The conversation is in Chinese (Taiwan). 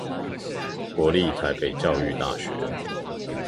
國立臺北教育大學